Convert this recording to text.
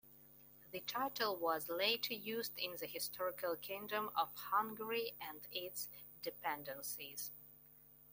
The title was later used in the historical Kingdom of Hungary and its dependencies.